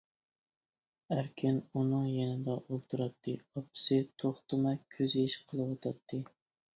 ئەركىن ئۇنىڭ يېنىدا ئولتۇراتتى، ئاپىسى توختىماي كۆز يېشى قىلىۋاتاتتى.